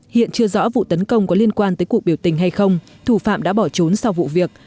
hiện chưa rõ vụ tấn công có liên quan tới cuộc biểu tình hay không thủ phạm đã bỏ trốn sau vụ việc